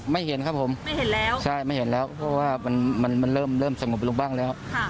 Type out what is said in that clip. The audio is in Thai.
เห็นครับผมไม่เห็นแล้วใช่ไม่เห็นแล้วเพราะว่ามันเริ่มสงบลงบ้างแล้ว